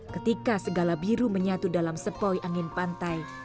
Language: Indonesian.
ketika segala biru menyatu dalam sepoi angin pantai